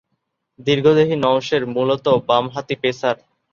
দীর্ঘদেহী নওশের মূলতঃ বামহাতি পেসার।